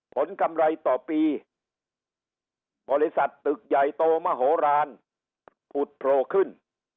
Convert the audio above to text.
กำไรต่อปีบริษัทตึกใหญ่โตมโหลานผุดโผล่ขึ้น